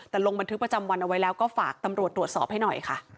แต่ลงบันทึกประจำวันเอาไว้แล้วก็ฝากตำรวจตรวจสอบให้หน่อยค่ะ